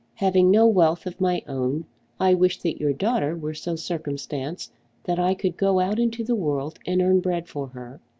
Having no wealth of my own I wish that your daughter were so circumstanced that I could go out into the world and earn bread for her.